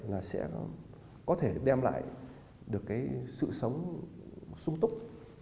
là sẽ có thể đem lại được cái sự sống sung túc